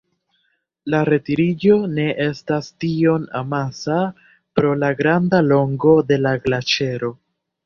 La retiriĝo ne estas tiom amasa pro la granda longo de la glaĉero.